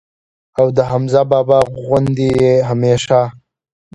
او د حمزه بابا غوندي ئې هميشه